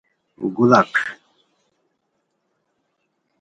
گوڑاک